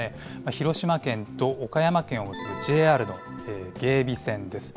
広島県と岡山県を結ぶＪＲの芸備線です。